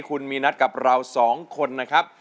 คุณมีนัดกับเราสองคนนะครับ